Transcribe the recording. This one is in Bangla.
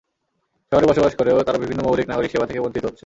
শহরে বসবাস করেও তারা বিভিন্ন মৌলিক নাগরিক সেবা থেকে বঞ্চিত হচ্ছে।